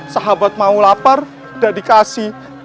sahabat mau lapar udah dikasih